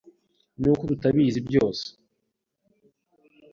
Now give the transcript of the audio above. ni uko tutabizi byose